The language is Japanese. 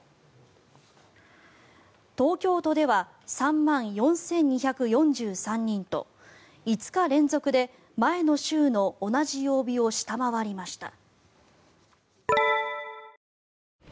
東京都では３万４２４３人と５日連続で前の週の同じ曜日を下回りました。